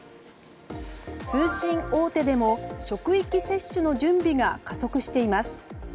通信大手でも職域接種の準備が加速しています。